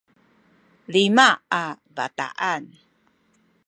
lima a bataan